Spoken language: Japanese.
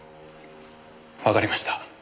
わかりました。